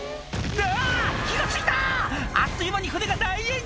うわ！